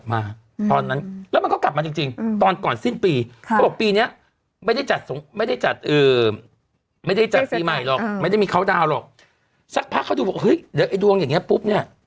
ไม่ได้มีเค้าดาวหรอกสักพักเค้าดูบอกเฮ้ยเดี๋ยวไอ้ดวงอย่างเนี้ยปุ๊บเนี้ย